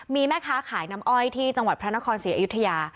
มีแม่ค้าขายน้ำอ้อยที่จังหวัดพระนครศรีอยุธยา